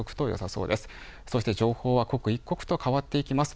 そして情報は刻一刻と変わっていきます。